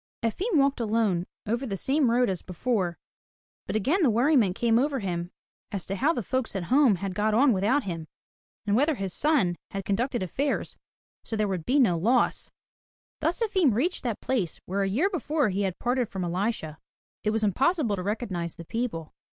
Efim walked alone over the same road as before. But again the worriment came over him as to how the folks at home had got on without him, and whether his son had conducted affairs i68 FROM THE TOWER WINDOW SO there would be no loss. Thus Efim reached that place where a year before he had parted from Elisha. It was impossible to recognize the people.